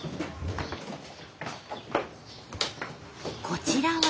こちらは。